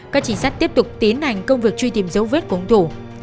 các chính sách tiếp tục tiến hành công việc truy tìm dấu vết của hung thủ